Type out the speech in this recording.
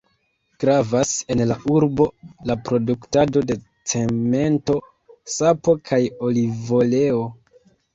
Gravas en la urbo, la produktado de cemento, sapo kaj olivoleo.